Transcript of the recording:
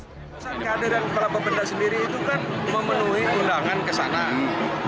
kesan keadaan kepala bapenda sendiri itu kan memenuhi undangan kesanan